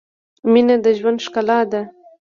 • مینه د ژوند ښکلا ده.